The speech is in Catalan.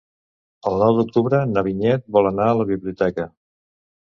El nou d'octubre na Vinyet vol anar a la biblioteca.